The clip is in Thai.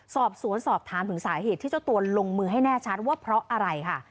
สอบสวนสอบถามถึงสาเหตุที่เจ้าตัวลงมือให้แน่ชัดว่าเพราะอะไรค่ะ